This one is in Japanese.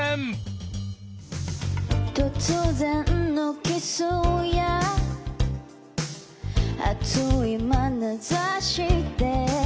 「突然のキスや熱いまなざしで」